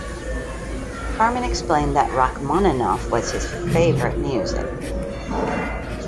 Carmen explained that Rachmaninoff was his "favorite music".